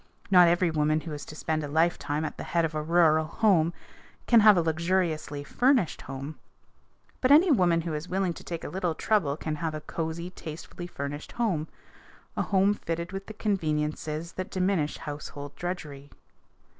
Not every woman who is to spend a lifetime at the head of a rural home can have a luxuriously furnished home, but any woman who is willing to take a little trouble can have a cozy, tastefully furnished home a home fitted with the conveniences that diminish household drudgery.